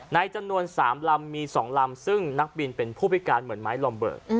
ในจำนวน๓ลำมี๒ลำซึ่งนักบินเป็นผู้พิการเหมือนไม้ลอมเบิก